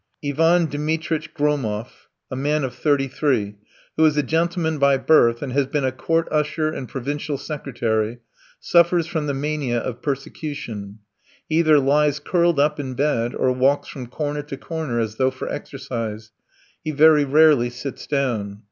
Ivan Dmitritch Gromov, a man of thirty three, who is a gentleman by birth, and has been a court usher and provincial secretary, suffers from the mania of persecution. He either lies curled up in bed, or walks from corner to corner as though for exercise; he very rarely sits down.